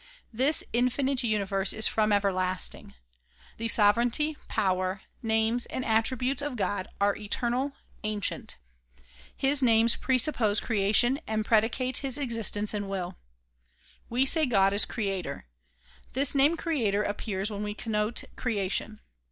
This infinite uni verse is from everlasting. The sovereignty, power, names and attributes of God are eternal, ancient. His names presuppose crea tion and predicate his existence and will. We say God is creator. This name creator appears when we connote creation.